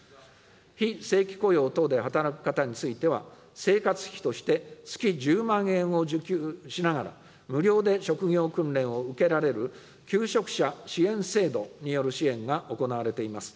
非正規雇用等で働く方については、生活費として月１０万円を受給しながら、無料で職業訓練を受けられる求職者支援制度による支援が行われています。